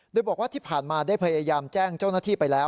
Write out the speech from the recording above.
โดยบอกว่าที่ผ่านมาได้พยายามแจ้งเจ้าหน้าที่ไปแล้ว